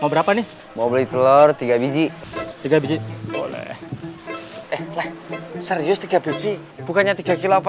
mau berapa nih mau beli telur tiga biji tiga biji boleh eh serius tiga biji bukannya tiga kilo apa